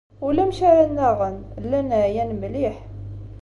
Ulamek ara nnaɣen, llan ɛyan mliḥ.